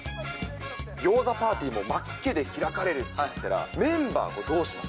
ギョーザパーティーを牧家で開かれるなら、メンバー、どうします？